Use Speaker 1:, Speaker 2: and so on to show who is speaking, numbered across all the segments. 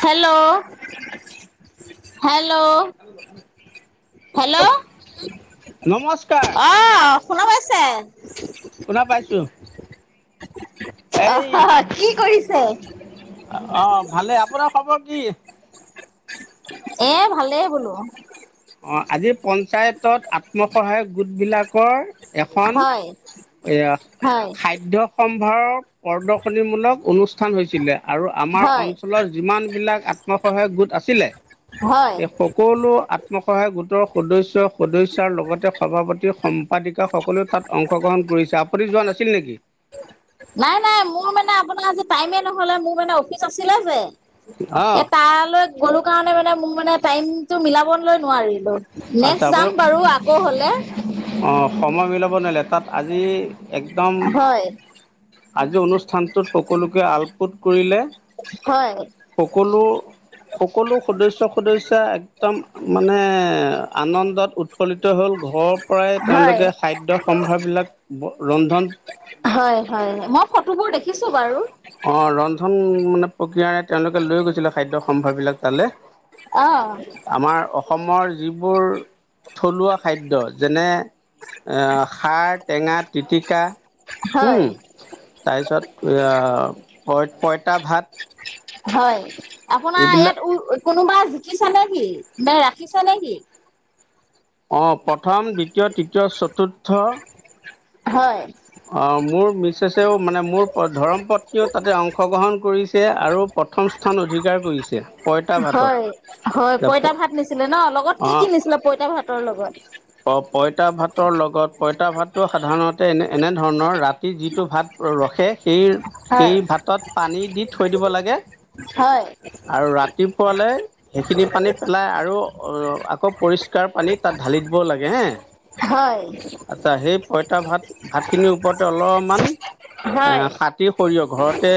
Speaker 1: Hello, hello হে
Speaker 2: hello, hello
Speaker 1: hello
Speaker 2: নমস্কাৰ
Speaker 1: অ শোনা পাইছে।
Speaker 2: শুনা পাইছো।
Speaker 1: [unintelligible]
Speaker 2: এই,
Speaker 1: অহ কি কৰিছে?
Speaker 2: অ ভালেই আপোনাৰ খবৰ কি?
Speaker 1: এ ভালেই বোলো।
Speaker 2: অ আজি পঞ্চায়তত আত্মসহায়ক গোট বিলাকৰ এখন
Speaker 1: হয়
Speaker 2: এইয়া
Speaker 1: হয়
Speaker 2: খাদ্যসম ভাৰ প্ৰদৰ্শনীমূলক অনুষ্ঠান হৈছিলে আৰু আমাৰ
Speaker 1: হয়
Speaker 2: অঞ্চলৰ যিমান বিলাক আত্মসহায়ক গোট আছিলে,
Speaker 1: হয়।
Speaker 2: স সকলো। অতমসহায় গোটৰ সদস্ সদস্ৰ লগতে সভাপতি সম্পাদিকা সকলেও তাত অংশগ্ৰহণ। কৰিছে আপুনি যোৱা নাছিল নেকি?
Speaker 1: নাই নাই মোৰ মানে আপোনাৰ আজি টাইমে নহলে মোৰ মানে অফিচ আছিলে যে।
Speaker 2: অ
Speaker 1: এ তালৈ গ'লো কাৰণে মানে মোৰ মানে টাইমতটো মিলাবলৈ নোৱাৰিলো।
Speaker 2: আচ্ছা
Speaker 1: নেক্স
Speaker 2: আপুনি
Speaker 1: যাম বাৰু আকৌ হলে।
Speaker 2: অ সময় মিলাব নিলে তাত আজি। একদম,
Speaker 1: হয়
Speaker 2: আজি অনুষ্ঠানটোত সকলোকে আলপোট কৰিলে।
Speaker 1: হয়
Speaker 2: সকলো, সকলো সদস্য় সদস্যয় এক। উত্তম মানে আনন্দত উত। উৎফলিত হ'ল ঘৰৰ পৰাই
Speaker 1: হয়
Speaker 2: তেওঁলোকে খাদ্যয় সম্ভাৰ বিলাক ৰন্ধন।
Speaker 1: হয় হয় মই ফটোবোৰ দেখিছো বাৰু।
Speaker 2: অঁ ৰন্ধন মানে প্ৰক্ৰিয়াৰে তেওঁলোকে লৈ গৈছিল। খাদ্য সম্ভাৰবিলাক তালে
Speaker 1: অ
Speaker 2: আমাৰ অসমৰ। থলুৱা খাদ্য যেনে। খাৰ টেঙা পিতিকা। উম
Speaker 1: হয়
Speaker 2: তাৰপিছত ক পইতা ভাত।
Speaker 1: হয় আপোনাৰ
Speaker 2: এইবিলাক
Speaker 1: ইয়াত উ কোনোবা। ৰাখিছা নেকি নে ৰাখিছা নেকি?
Speaker 2: অ প্ৰথম দ্বিতীয় তৃতীয় চতুৰ্থ।
Speaker 1: হয়।
Speaker 2: অ মোৰ মিছেছেও মানে মোৰ ধৰৰ্মপত্নীয়েও তাতে অংশগ্ৰহণ কৰিছে আৰু। প্ৰথম স্থান অধিকাৰ কৰিছে পইতা
Speaker 1: হয়
Speaker 2: ভাটত।
Speaker 1: হয় পঁইতা ভাত নিছিলে ন লগত থিকি নিছিলে পইতা ভাতৰ লগত।
Speaker 2: অ পঁইতা ভাতৰ লগত। পঁইতা ভাতটো সাধাৰণতে এনে এনেধৰণৰ ৰাতি যিটো ভাত ৰাখে। সেই সেই
Speaker 1: হয়।
Speaker 2: ভাতত পানী দি থৈ দিব লাগে।
Speaker 1: হয়
Speaker 2: আৰু ৰাতিপুৱালৈ সেইখিনি পানী পেলাই আৰু। অ আকৌ পৰিষ্কাৰ পানী তাত ঢালি দিব লাগে হে।
Speaker 1: হয়।
Speaker 2: আচ্ছা সেই পইতা ভাত ভাত খিনিৰ ওপৰতে অলপমান এ
Speaker 1: হয়।
Speaker 2: খাতি। সৰিয়হ ঘৰতে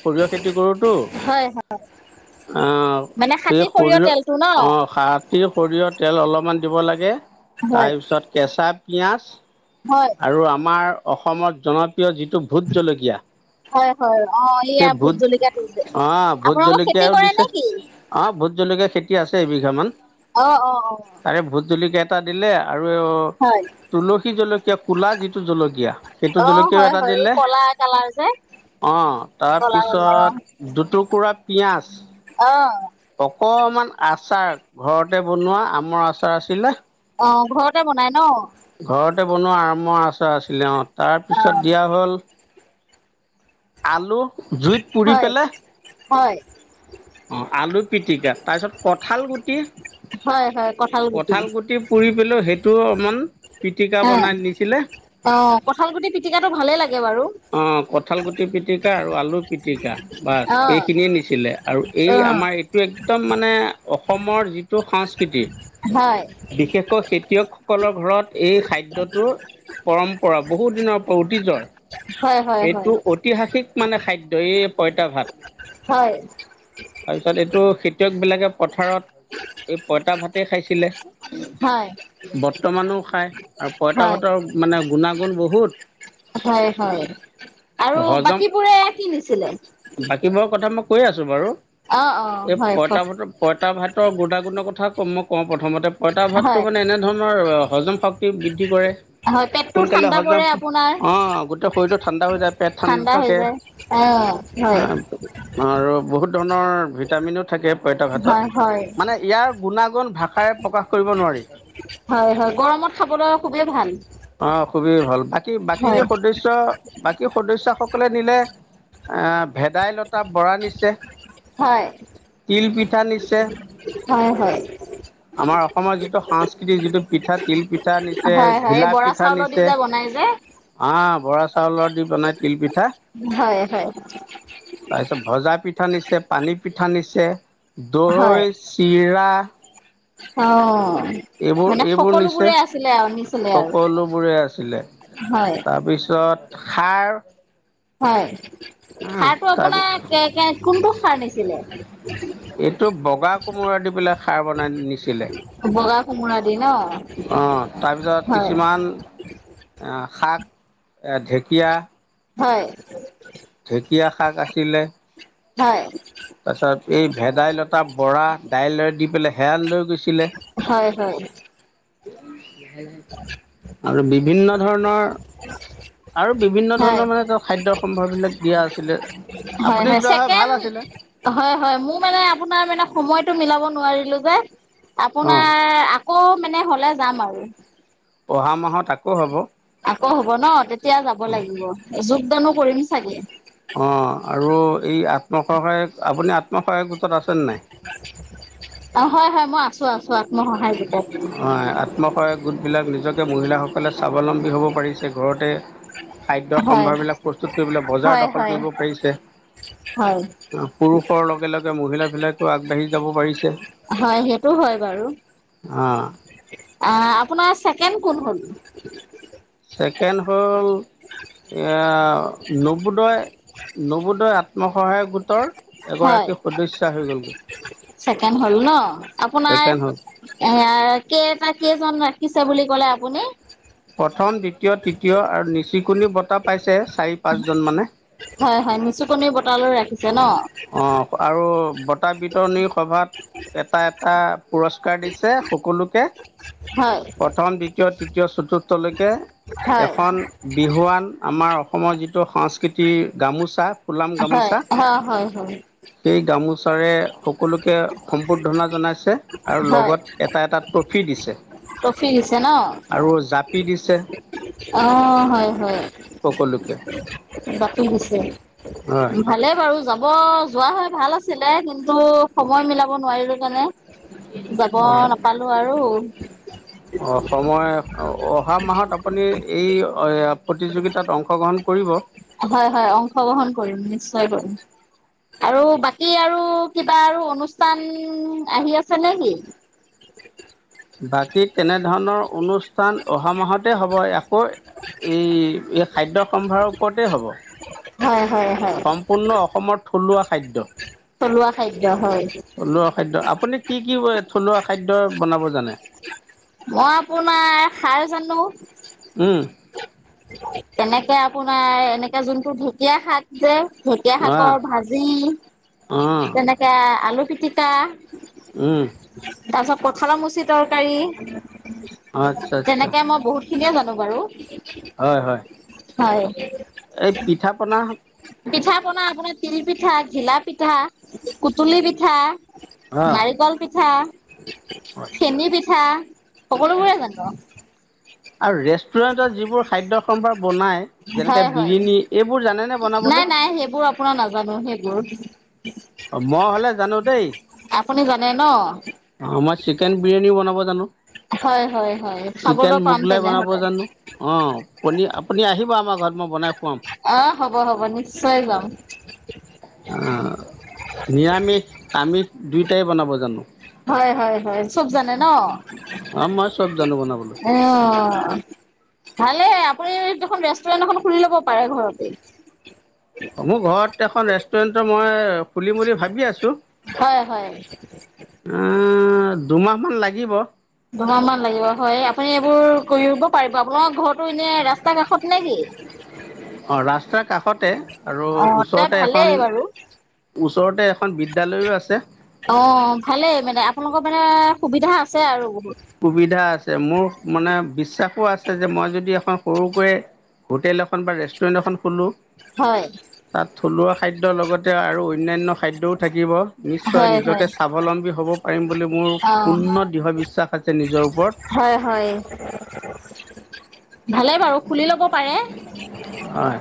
Speaker 2: সৰিয়হ খেতি কৰোঁ।
Speaker 1: হয় হয় মানে
Speaker 2: সেই
Speaker 1: খাটি সৰিয়হ
Speaker 2: শৰীৰ
Speaker 1: তেলটো ন?
Speaker 2: অ সাত। সৰিয়হ তেল অলপমান দিব লাগে,
Speaker 1: হয়।
Speaker 2: তাৰপিছত কেঁচা পিঁয়াজ।
Speaker 1: হয়
Speaker 2: আৰু আমাৰ অসমত জনপ্ৰিয় যিটো ভোট জলকীয়া।
Speaker 1: হয় হয় অ এইয়া ভোট জলকাতটো যে
Speaker 2: অঁ ভোট
Speaker 1: আপোনালোকৰ খেতি
Speaker 2: জলকীয়াও
Speaker 1: কৰে
Speaker 2: দিছে
Speaker 1: নে কি।
Speaker 2: অঁ ভোট জলকীয়া খেতি আছে এবিঘামান।
Speaker 1: আহ অ অ।
Speaker 2: টা দিলে। আৰু,
Speaker 1: হয়
Speaker 2: তুলসী জলকীয়া কলা যিটো জলকীয়া সেইটো
Speaker 1: অ
Speaker 2: জলকীয়াও
Speaker 1: হয়
Speaker 2: এটা
Speaker 1: হয় এই
Speaker 2: দিলে।
Speaker 1: কলা কালাৰ যে।
Speaker 2: অ
Speaker 1: কলা ৰঙৰ অ।
Speaker 2: তাৰপিছত, দুটুকুৰা পিয়াজ।
Speaker 1: অ
Speaker 2: অকমান আচাৰ ঘৰতে বনোৱা আমৰ আচাৰ আছিলে।
Speaker 1: অ ঘৰতে বনাই ন।
Speaker 2: ঘৰতে বনোৱা আমাৰ আচাৰ আছিলে অ
Speaker 1: অ।
Speaker 2: তাৰপিছত দিয়া হ'ল। আলু জুইত পুৰি
Speaker 1: হয়
Speaker 2: পেলাই
Speaker 1: হয়
Speaker 2: অ আলু পিটিকা তাৰপিছত কঠাল গুটি
Speaker 1: হয় হয়।
Speaker 2: কঁঠাল গুটি পুৰি পেলো সেইটো অকমান পিটিকা বনাই দিছিলে।
Speaker 1: অ অ কঁঠাল গুটি পিটিকাটো ভালে লাগে। বাৰু
Speaker 2: অ কঠাল গুটি পিতিকা আৰু আলু পিতিকা বাচ
Speaker 1: অ
Speaker 2: এইখিনিয়ে নিছিলে আৰু এই আমাৰ এইটো একদম মানে অসমৰ যিটো সংস্কৃতি।
Speaker 1: হয়
Speaker 2: বিশেষকৈ খেতিয়কসকলৰ ঘৰত এই খাদ্যটোৰ পৰম্পৰা বহুদিনৰ পৰা অতীজৰ।
Speaker 1: হয় হয় হয়
Speaker 2: এইটো ঐতিহাসিক মানে খাদ্য এই পঁইতা ভাত।
Speaker 1: হয়।
Speaker 2: খেতিয়ক বিলাকে পথাৰত এই পঁইতা ভাতেই খাইছিলে।
Speaker 1: হয়
Speaker 2: বৰ্তমানো খাই আৰু পঁইতা
Speaker 1: হয়
Speaker 2: ভাতৰ মানে গুণাগুণ বহুত।
Speaker 1: হয় হয়। আৰু
Speaker 2: হজম
Speaker 1: বাকীবোৰে কিনি নিছিলে?
Speaker 2: বাকীবোৰৰ কথা মই কৈ আছোঁ বাৰু
Speaker 1: অ অ
Speaker 2: এই
Speaker 1: হয়
Speaker 2: পঁইতা ভাতৰ পঁইতা ভাতৰ গুনাগুণৰ কথা মই কওঁ প্ৰথম প্ৰথমতে পইতা ভাতটো
Speaker 1: হয়
Speaker 2: মানে এনেধৰণৰ হজম শক্তি বৃদ্ধি কৰে।
Speaker 1: হয় পেটটো
Speaker 2: সোনকালে
Speaker 1: ঠাণ্ডা
Speaker 2: হজম
Speaker 1: পৰে আপোনাৰ
Speaker 2: অ গোটেই শৰীৰটো ঠাণ্ডা হৈ যায় পেট ঠাণ্ডা
Speaker 1: হৈ
Speaker 2: থাকে
Speaker 1: যায় অ হয়
Speaker 2: আৰু বহুত ধৰণৰ ভিটামিনো থাকে পইতা
Speaker 1: হয়
Speaker 2: ভাতত।
Speaker 1: হয়
Speaker 2: মানে ইয়াৰ গুণাগুণ ভাষাৰে প্ৰকাশ কৰিব নোৱাৰি।
Speaker 1: হয় হয় গৰমত খাবলৈ খুবেই ভাল।
Speaker 2: অ খুবেই ভাল বাকী বাকী
Speaker 1: হয়
Speaker 2: সদস্য বাকী সদস্য সকলে নিলে অ ভেদাইলতা বৰা নিছে
Speaker 1: হয়
Speaker 2: তিল পিঠা নিছে।
Speaker 1: হয় হয়
Speaker 2: আমাৰ অসমৰ যিটো সাংস্কৃতিক যিটো পিঠা তিলপিঠা নিছে ঘিলাপ
Speaker 1: চাউল দি যে বনাই যে।
Speaker 2: বৰা চাউলৰ দি বনাই তিল পিঠা
Speaker 1: হয় হয়
Speaker 2: তাৰপাছত ভজা পি পিঠা নিছে পানী পিঠা নিছে
Speaker 1: হয়
Speaker 2: দৈ চিৰা।
Speaker 1: অ
Speaker 2: এইবোৰ
Speaker 1: মানে
Speaker 2: এইবোৰ নিছে
Speaker 1: সকলোবোৰে আছিলে আৰু। নিছিলে আৰু
Speaker 2: সকলোবোৰে আছিলে
Speaker 1: হয়
Speaker 2: তাৰপিছত সাৰ।
Speaker 1: হয় সাৰটো
Speaker 2: তাৰপি
Speaker 1: আপোনাৰ কে কোনটো সাৰ নিছিলে?
Speaker 2: এইটো বগা কোমোৰা দি পেলাই সাৰ বনাই নিছিলে।
Speaker 1: বগা কোমোৰা দি ন
Speaker 2: অ তাৰপিছত
Speaker 1: হয়
Speaker 2: কিছুমান আহ শাক। ঢেকীয়া।
Speaker 1: হয়।
Speaker 2: ঢেকীয়া
Speaker 1: হয়।
Speaker 2: তাৰ পিছত এই ভেদাইলতা বৰা দাইল দি পেলাই সেয়া লৈ গৈছিলে।
Speaker 1: হয় হয়।
Speaker 2: আৰু বিভিন্ন ধৰণৰ আৰু বিভিন্ন
Speaker 1: হয়
Speaker 2: ধৰণৰ মানে ত খাদ্যৰ সম্ভাৰ বিলাক দিয়া আছিলে।
Speaker 1: হয়
Speaker 2: আপুনি যোৱা হয়
Speaker 1: ছেকেণ্ড
Speaker 2: ভাল আছিলে।
Speaker 1: হয় হয় মোৰ মানে আপোনাৰ মানে সময়তটো মিলাব নোৱাৰিলো যে।
Speaker 2: অ
Speaker 1: আপোনাৰ আকৌ মানে হলে যাম আৰু।
Speaker 2: অহা মাহত আকৌ হ'ব।
Speaker 1: আকৌ হব ন তেতিয়া যাব লাগিব যোগদানো কৰিম চাগে।
Speaker 2: অ আৰু এই আত্মসহায়ক আপুনি আত্মসহায়ক গোটত আছেনে নাই?
Speaker 1: অ হয় হয় মই আছো আছো আত্মসহায় গোটত
Speaker 2: অ আত্মসহায়ক গোট বিলাক নিজকে মহিলাসকলে চাব স্বাৱলম্বী হ'ব পাৰিছে ঘৰতে খাদ্য
Speaker 1: হয়
Speaker 2: সম্ভাৰবিলাক প্ৰস্তুত কৰিবলৈ বজাৰ
Speaker 1: হয়
Speaker 2: দখল
Speaker 1: হয়
Speaker 2: কৰিব পাৰিছে
Speaker 1: হয়
Speaker 2: পুৰুষৰ লগে লগে মহিলা বিলাকো আগবাঢ়ি যাব পাৰিছে।
Speaker 1: হয় সেইটো হয় বাৰু
Speaker 2: অ
Speaker 1: আপোনাৰ ছেকেণ্ড কোনখন
Speaker 2: ছেকেণ্ড হ'ল অ নবোদয় নবোদয় আত্ম সহায়ক গোটৰ
Speaker 1: হয়
Speaker 2: এগৰাকী সদস্যা হৈ গ'লগৈ
Speaker 1: ছেকেণ্ড হলো ন আপোনাৰ
Speaker 2: ছেকেণ্ড হ'ল
Speaker 1: কেইটা কেইজন শিকিছে বুলি ক'লে আপুনি
Speaker 2: প্ৰথম দ্বিতীয় তৃতীয় আৰু নিচুকনি বঁটা পাইছে চাৰি পাঁচ জন মানে
Speaker 1: হয় হয় নিচু কনিৰ বটালৈ ৰাখিছে ন
Speaker 2: অ আৰু বঁটা বিতৰণি সভাত এটা এটা পুৰস্কাৰ দিছে সকলোকে
Speaker 1: হয়
Speaker 2: প্ৰথম দ্বিতীয় তৃতীয় চতুৰ্থ কে
Speaker 1: হয়
Speaker 2: এখন বিহুৱান আমাৰ অসম অসমৰ যিটো সংস্কৃতি গামোচা ফুলাম
Speaker 1: হয়
Speaker 2: গামোচা
Speaker 1: অ হয় হয়
Speaker 2: সেই গামোচাৰে সকলোকে সম্বৰ্ধনা জনাইছে আৰু
Speaker 1: হয়
Speaker 2: লগত এটা এটা ট্ৰফি দিছে
Speaker 1: ট্ৰফি দিছে ন
Speaker 2: আৰু জাপি দিছে
Speaker 1: অ হয় হয়
Speaker 2: সকলোকে
Speaker 1: বাকী দিছে
Speaker 2: হয়
Speaker 1: ভালে বাৰু আৰু যাব যোৱা হয় ভাল আছিলে কিন্তু সময় মিলাব নোৱাৰিলো কাৰণে যাব নাপালো আৰু
Speaker 2: সময় অ অহা মাহত আপুনি এই প্ৰতিযোগিতাত অংশগ্ৰহণ কৰিব
Speaker 1: হয় হয় অংশগ্ৰহণ কৰিম নিশ্চয় কৰিম আৰু বাকী আৰু কিবা আৰু অনুষ্ঠান আহি আছে নে কি
Speaker 2: বাকী তেনে ধৰণৰ অনুষ্ঠান অহা মাহতে হ'ব আকৌ এই এই খাদ্য সম্ভাৰৰ ওপৰতে হ'ব
Speaker 1: হয় হয় হয়।
Speaker 2: সম্পূৰ্ণ অসমৰ থলুৱা খাদ্য
Speaker 1: থলুৱা খাদ্য হয়।
Speaker 2: থলুৱা খাদ্য আপুনি কি কি থলুৱা খাদ্য বনাব জানে
Speaker 1: মই আপোনাৰ খাৰ জানো
Speaker 2: উম
Speaker 1: তেনেকে আপোনাৰ এনেকে যোনটো ঢেকীয়া শাক যে ঢেকীয়া
Speaker 2: অ
Speaker 1: শাকৰ
Speaker 2: অ
Speaker 1: ভাজি তেনেকে আলু পিটিকা
Speaker 2: উম
Speaker 1: তাৰ পিছত কঠালৰ মুচি তৰকাৰী
Speaker 2: আচ্ছা আচ্ছা
Speaker 1: তেনেকে মই বহুত খিনিয়ে জানো বাৰু
Speaker 2: হয় হয়
Speaker 1: হয়
Speaker 2: এই পিঠা পনা
Speaker 1: পিঠা পনা আপোনাৰ তিল পিঠা ঘিলা পিঠা কুতুলি পিঠা
Speaker 2: অ
Speaker 1: নাৰিকল পিঠা
Speaker 2: আচ্ছা
Speaker 1: চেনী পিঠা সকলোবোৰে জানো
Speaker 2: আৰু ৰেষ্টুৰেণ্টত যিবোৰ খাদ্য সম্ভাৰ বনাই যেনেকে
Speaker 1: হয় হয়।
Speaker 2: বিৰিনি এইবোৰ জানে নে
Speaker 1: নাই
Speaker 2: বনাবলে
Speaker 1: নাই সেইবোৰ আপোনাৰ নাজানো সেইবোৰ
Speaker 2: অ মই হ'লে জানো দেই
Speaker 1: আপুনি জানে ন?
Speaker 2: আমাৰ চিকেন বিৰিয়ানীও বনাব জানো
Speaker 1: হয় হয় হয়
Speaker 2: চিকেন
Speaker 1: খাবলৈ পাম
Speaker 2: মোগলাই বনাব
Speaker 1: তেনেহলে
Speaker 2: জানো অ পনি আপুনি আহিব আমাক মই বনাই খোৱাম
Speaker 1: অ হ'ব হ'ব নিশ্চয় যাম।
Speaker 2: অ নিৰামিষ আমিষ দুইটাই বনাব জানো।
Speaker 1: হয় হয় হয় চব জানে ন।
Speaker 2: অ মই চব জানো বনাবলৈ
Speaker 1: হে অ ভালে আপুনি দেখোন ৰেষ্টুৰেণ্ট এখন খুলি ল'ব পাৰে ঘৰতে
Speaker 2: অ মোৰ ঘৰত এখন ৰেষ্টুৰেণ্টৰ মই খুলিম বুলি ভাবি আছোঁ।
Speaker 1: হয় হয়
Speaker 2: অ দুমাহ মান লাগিব
Speaker 1: দুমাহ মান লাগিব হয় আপুনি এইবোৰ কৰিব পাৰিব আপোনাৰ ঘৰতো এনে ৰাস্তা কাষত নে কি?
Speaker 2: অঁ ৰাস্তাৰ কাষতে। আৰু
Speaker 1: অ তেই
Speaker 2: ওচৰতে এখন
Speaker 1: ভালেই বাৰু।
Speaker 2: ওচৰতে এখন বিদ্যালয়ো আছে
Speaker 1: অ ভালেই মানে আপোনালোকৰ মানে সুবিধা আছে আৰু। বহুত
Speaker 2: সুবিধা আছে মোৰ মানে বিশ্বাসো আছে যে মই যদি এখন সৰুকৈয়ে হোটেল এখন বা ৰেষ্টুৰেণ্ট এখন খোলোঁ।
Speaker 1: হয়
Speaker 2: তাত থলুৱা খাদ্যৰ লগতে আৰু অন্যান্য খাদ্যও থাকিব নিশ্চয়
Speaker 1: হয়
Speaker 2: নিজকে
Speaker 1: হয়
Speaker 2: স্বাৱলম্বী হ'ব পাৰিম বুলি মোৰ
Speaker 1: অ
Speaker 2: পূৰ্ণ দৃঢ় বিশ্বাস। আছে নিজৰ ওপৰত
Speaker 1: হয় হয়। ভালে বাৰু খুলি ল'ব পাৰে।
Speaker 2: হয়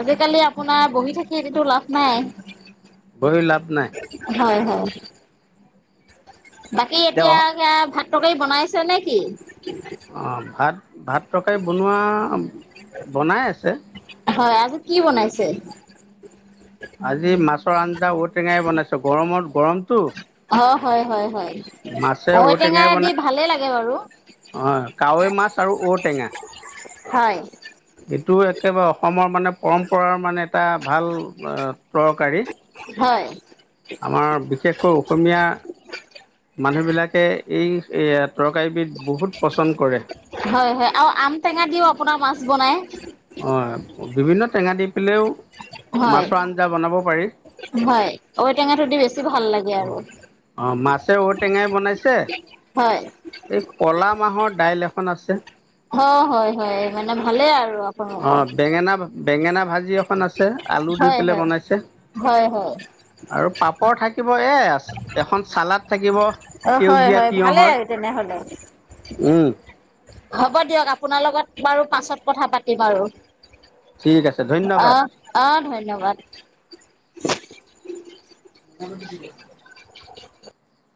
Speaker 1: আজিকালি আপোনাৰ বহি থাকিতো লাভ নাই
Speaker 2: বহি লাভ নাই
Speaker 1: হয় হয় বাকী এতিয়া কিয়া ভাত তৰকাৰি বনাইছে নে কি
Speaker 2: অঁ ভাত ভাত তৰকাৰী বনোৱা বনাই আছে।
Speaker 1: হয় আজি কি বনাইছে?
Speaker 2: আজি মাছৰ আঞ্জা ঔ টেঙাই বনাইছো গৰমত গৰমটো।
Speaker 1: অ হয় হয় হয়
Speaker 2: মাছে
Speaker 1: ঔটেঙা দি ভালে লাগে বাৰু।
Speaker 2: অ কাৱৈ মাছ আৰু ঔটেঙা।
Speaker 1: হয়
Speaker 2: এইটো একেবাৰে অসমৰ মানে পৰম্পৰাৰ মানে এটা ভাল তৰকাৰী।
Speaker 1: হয়
Speaker 2: আমাৰ বিশেষকৈ অসমীয়া। মানুহ বিলাকে এইয়াত। তৰকাৰিবিধ বহুত পচন্দ কৰে।
Speaker 1: হয় হয় আৰু আম টেঙা দিও আপোনাৰ মাছ বনাই
Speaker 2: অ বিভিন্ন টেঙা দি পেলেইও।
Speaker 1: হয় হয় ঔটেঙাটো দি বেছি ভাল লাগে আৰু।
Speaker 2: অ মাছে ঔটেঙাই বনাইছে।
Speaker 1: হয়
Speaker 2: এই ক'লা মাহৰ দাইল এখন আছে।
Speaker 1: অ হয় হয় মানে ভালে আৰু। আপোনালোকৰ
Speaker 2: অঁ বেঙেনা বেঙেনা ভাজি এখন আছে আলু দি
Speaker 1: হয়
Speaker 2: পেলাই
Speaker 1: হয়
Speaker 2: বনাইছে।
Speaker 1: হয় হয়
Speaker 2: আৰু পাপৰ থাকিব এ এখন চালাদ থাকিব
Speaker 1: অ হয়
Speaker 2: সেউজীয়া
Speaker 1: হয় ভালেই আৰু তেনেহলে
Speaker 2: তিয়ঁহৰ উম।
Speaker 1: হ'ব দিয়ক আপোনাৰ লগত বাৰু পাছত কথা পাতিম আৰু।
Speaker 2: ঠিক আছে ধন্যবাদ
Speaker 1: অহ অহ ধন্যবাদ।
Speaker 2: [inaudible]